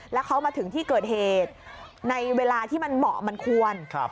แล้วเขามาถึงที่เกิดเหตุในเวลาที่มันเหมาะมันควร